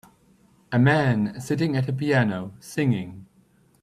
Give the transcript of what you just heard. A man sitting at a piano singing.